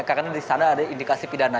karena di sana ada indikasi pidana